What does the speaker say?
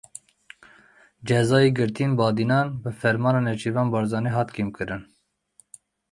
Cezayê girtiyên Badînan bi fermana Nêçîrvan Barzanî hat kêmkirin.